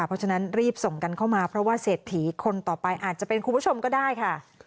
เพราะฉะนั้นรีบส่งกันเข้ามาเพราะว่าเศรษฐีคนต่อไปอาจจะเป็นคุณผู้ชมก็ได้ค่ะ